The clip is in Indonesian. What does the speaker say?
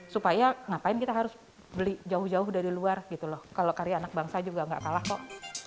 supaya ngapain kita harus beli jauh jauh dari luar gitu loh kalau karya anak bangsa juga gak kalah kok